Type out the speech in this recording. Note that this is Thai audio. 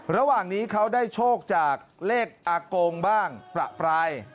ระหว่างนี้เขาได้โชคจากเลขอากงบ้างประปราย